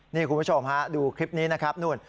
นี่คุณผู้ชมฮะดูคลิปนี้นะครับนู่น